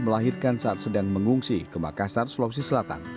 melahirkan saat sedang mengungsi ke makassar sulawesi selatan